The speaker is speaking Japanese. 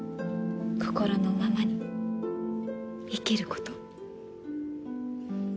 心のままに生きること。